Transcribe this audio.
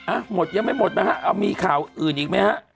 อ้าวหยั้งไม่หมดไหมฮะมีข่าวอื่นอีกไหมฮะ